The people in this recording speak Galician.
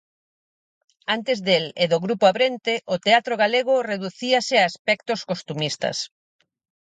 Antes del e do grupo Abrente, o teatro galego reducíase a aspectos costumistas.